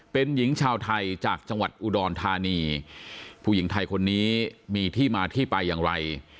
เป็นหญิงชาวไทยจากจังหวัดอุดรธานีผู้หญิงไทยคนนี้มีที่มาที่ไปอย่างไร